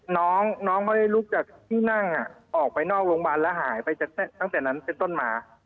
น้องน้องไม่ได้ลุกจากที่นั่งออกไปนอกโรงพยาบาลแล้วหายไปตั้งแต่นั้นเป็นต้นมา